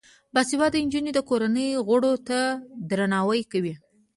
باسواده نجونې د کورنۍ غړو ته درناوی کوي.